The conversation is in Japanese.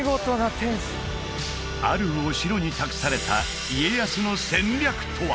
あるお城に託された家康の戦略とは？